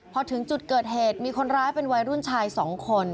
พอถึงจุดเกิดเหตุมีคนร้ายเป็นวัยรุ่นชาย๒คน